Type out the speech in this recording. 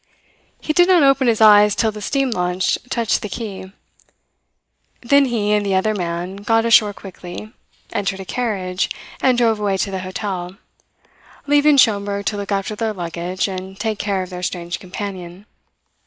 He did not open his eyes till the steam launch touched the quay. Then he and the other man got ashore quickly, entered a carriage, and drove away to the hotel, leaving Schomberg to look after their luggage and take care of their strange companion.